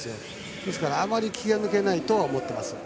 ですからあまり気が抜けないと思います。